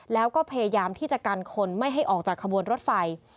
แล้วก็พยายามที่จะกันคนไม่ให้ออกจากขบวนรถไฟ